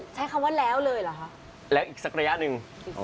ใช้คำว่าแล้วเลยเหรอคะแล้วอีกสักระยะหนึ่ง